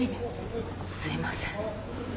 すいません。